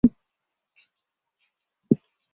诺克斯县是美国伊利诺伊州西北部的一个县。